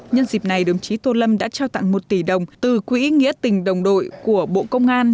nhân dịp này đồng chí tô lâm đã trao tặng một tỷ đồng từ quỹ nghĩa tình đồng đội của bộ công an